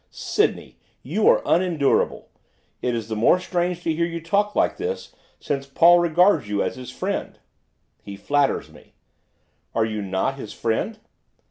'Sydney! you are unendurable! It is the more strange to hear you talk like this since Paul regards you as his friend.' 'He flatters me.' 'Are you not his friend?